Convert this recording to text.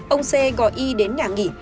ông c gọi y đến nhà nghỉ